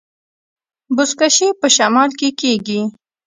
بزکشي په شمال کې کیږي